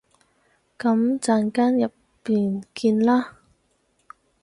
噉陣間入面見啦